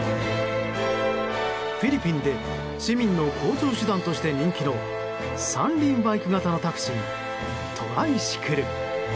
フィリピンで市民の交通手段として人気の３輪バイク型のタクシートライシクル。